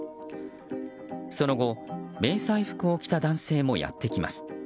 その後、迷彩服を着た男性もやってきます。